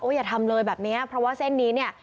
อย่าทำเลยแบบนี้เพราะว่าเส้นนี้เนี่ย